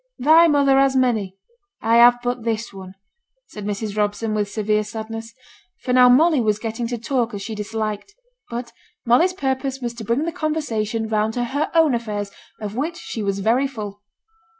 'Thy mother has many, I have but this one,' said Mrs. Robson, with severe sadness; for now Molly was getting to talk as she disliked. But Molly's purpose was to bring the conversation round to her own affairs, of which she was very full.